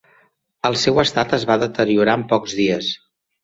El seu estat es va deteriorar en pocs dies.